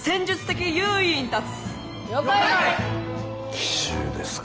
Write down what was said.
奇襲ですか。